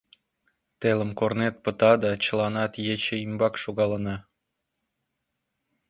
— Телым корнет пыта да чыланат ече ӱмбак шогалына.